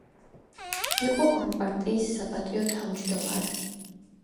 იყო ამ პარტიის საპატიო თავმჯდომარე.